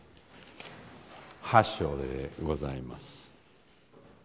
八章でございます。